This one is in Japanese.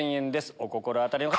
お心当たりの方！